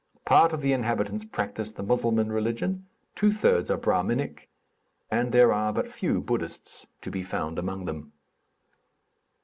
Part of the inhabitants practice the Musselman religion; two thirds are Brahminic; and there are but few Buddhists to be found among them.